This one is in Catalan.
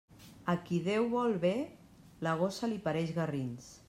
A qui Déu vol bé, la gossa li pareix garrins.